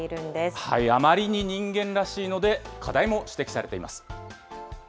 あまりに人間らしいので、課題も指摘されています。